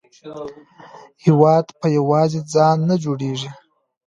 هېواد په یوازې ځان نه جوړیږي.